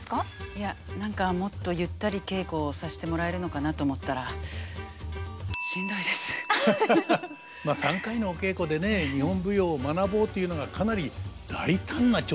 いや何かもっとゆったり稽古をさせてもらえるのかなと思ったらまあ３回のお稽古でね日本舞踊を学ぼうというのがかなり大胆な挑戦ではありますね。